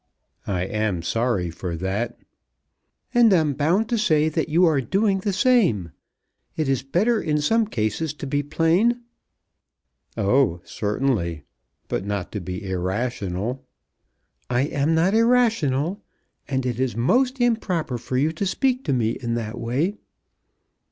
"I am sorry for that." "And I'm bound to say that you are doing the same. It is better in some cases to be plain." "Oh certainly; but not to be irrational." "I am not irrational, and it is most improper for you to speak to me in that way."